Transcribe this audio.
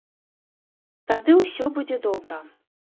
Тады ўсё будзе добра.